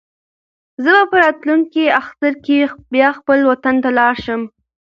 زه به په راتلونکي اختر کې بیا خپل وطن ته لاړ شم.